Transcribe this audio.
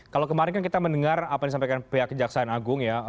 kalau kemarin kan kita mendengar apa yang disampaikan pihak kejaksaan agung ya